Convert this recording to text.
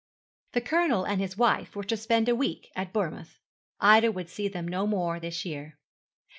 The Colonel and his wife were to spend a week at Bournemouth. Ida would see them no more this year.